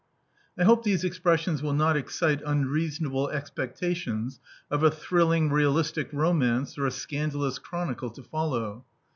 I hope these expressions will not excite unreason able expectations of a thrilling realistic romance, or a scandalous chronicle, to follow.